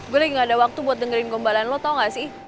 gue lagi nggak ada waktu buat dengerin gombalan lo tahu nggak sih